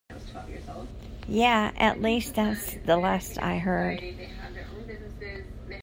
Yeah, at least that's the last I heard.